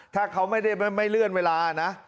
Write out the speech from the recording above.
ถ้าเขาไม่ได้เลื่อนเวลานะ